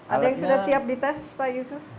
ada yang sudah siap di tes pak yusuf